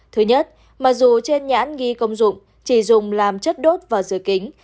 thứ nhất mặc dù trên nhãn ghi công dụng chỉ dùng làm chất đốt và dừa kính